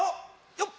よっ！